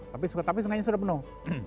tapi sungainya sudah penuh